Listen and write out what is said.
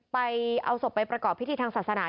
ไปเอาศพไปประกอบพิธีทางศาสนา